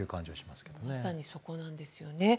まさにそこなんですよね